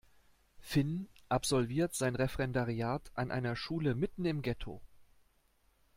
Finn absolviert sein Referendariat an einer Schule mitten im Getto.